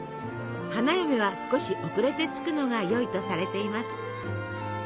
花嫁は少し遅れて着くのがよいとされています。